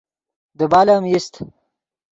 دیبال ام ایست